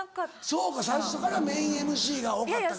そうか最初からメインＭＣが多かったから。